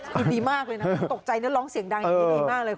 ยินดีมากเลยนะตกใจนะร้องเสียงดังยินดีมากเลย